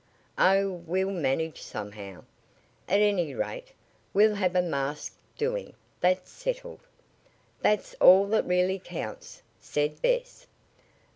"Oh, we'll manage somehow. At any rate, we'll have a masked 'doin',' that's settled." "That's all that really counts," said Bess.